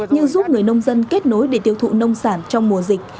như giúp người nông dân kết nối để tiêu thụ nông sản trong mùa dịch